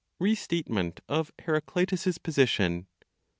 RESTATEMENT OF HERACLITUS'S POSITION.